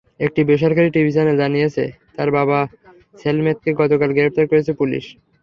একটি বেসরকারি TV channel জানিয়েছে, তাঁর বাবা সেলমেতকে গতকাল গ্রেপ্তার করেছে পুলিশ।